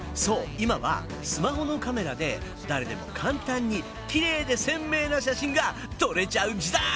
今はスマホのカメラで誰でも簡単にキレイで鮮明な写真が撮れちゃう時代！